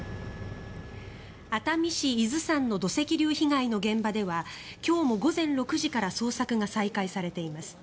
熱海市伊豆山の土石流被害の現場では今日も午前６時から捜索が再開されています。